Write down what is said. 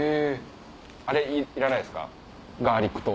あれいらないですか？